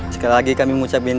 sekali lagi kami mengucapkan